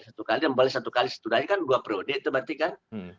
satu kali boleh satu kali setudahnya kan dua priode itu berarti kan